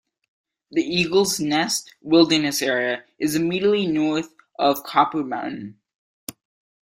The Eagles Nest Wilderness Area is immediately north of Copper Mountain.